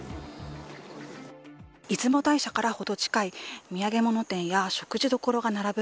出雲大社からほど近い土産物店や食事どころが並ぶ